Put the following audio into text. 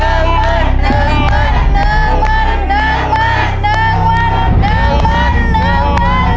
สำหรับแขกสถานอาหาร